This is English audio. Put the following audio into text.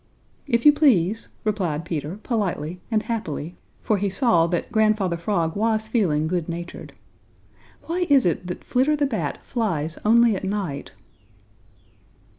"If you please," replied Peter politely and happily, for he saw that Grandfather Frog was feeling good natured, "why is it that Flitter the Bat flies only at night?"